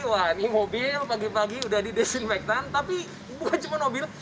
wah ini mobil pagi pagi sudah didesain vektan tapi bukan cuma mobil